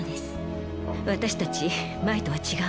私たち前とは違うの。